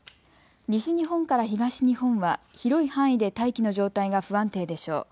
西日本から東日本は広い範囲で大気の状態が不安定でしょう。